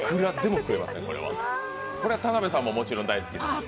これは田辺さんももちろん大好きですよね。